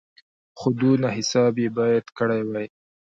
خو دونه حساب یې باید کړی وای.